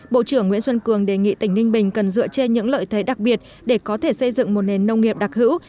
bộ trưởng nguyễn xuân cường đề nghị tỉnh ninh bình cần dựa trên những lợi thế đặc biệt để có thể xây dựng một nền nông nghiệp đặc hữu